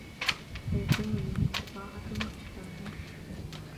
فَيَكُونُ لِلنَّفْسِ طَاعَةٌ وَإِشْفَاقٌ